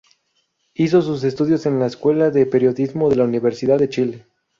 Hizo sus estudios en la Escuela de Periodismo de la Universidad de Chile.